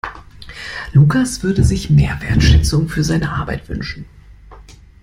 Lukas würde sich mehr Wertschätzung für seine Arbeit wünschen.